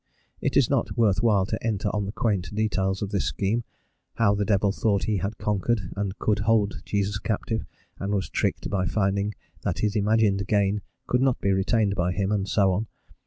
It is not worth while to enter on the quaint details of this scheme, how the devil thought he had conquered and could hold Jesus captive, and was tricked by finding that his imagined gain could not be retained by him, and so on.